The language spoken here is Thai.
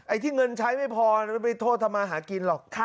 ไอ้ที่เงินใช้ไม่พอไม่โทษทำมาหากินหรอก